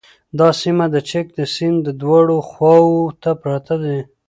دا سیمه د چک د سیند دواړو خواوو ته پراته دي